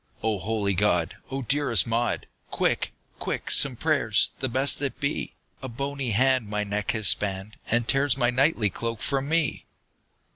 "O holy God! O dearest Maud, Quick, quick, some prayers, the best that be! A bony hand my neck has spanned, And tears my knightly cloak from me!"